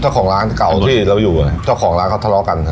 เจ้าของร้านเก่าที่เราอยู่เจ้าของร้านเขาทะเลาะกัน